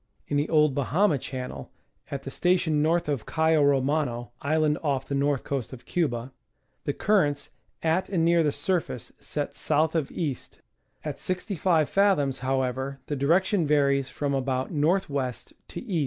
In the old Bahama Channel, at the station north of Cayo Romano (island off the north coast of Cuba) the currents at and near the surface set south of east ; at 65 fathoms, however, the direction varies fi'om about N. W. to E.